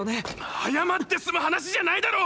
謝ってすむ話じゃないだろう